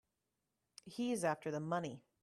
He's after the money.